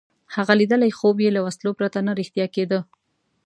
هغه لیدلی خوب یې له وسلو پرته نه رښتیا کېده.